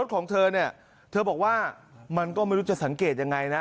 เธอเป็นลูกค้าของห้างนี้มานานนะ